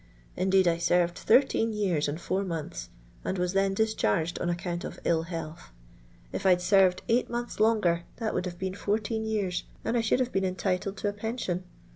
Indeed I serred thirteen years and four months, and was then discharged on account of ill health. If I 'd served eight months longer that would have heen fourteen years, and I should have heen entitled to a pen sion.